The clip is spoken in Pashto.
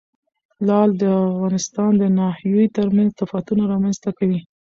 لعل د افغانستان د ناحیو ترمنځ تفاوتونه رامنځ ته کوي.